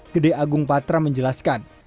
gede agung patra menjelaskan